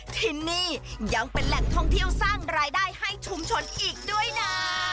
ที่นี่ยังเป็นแหล่งท่องเที่ยวสร้างรายได้ให้ชุมชนอีกด้วยนะ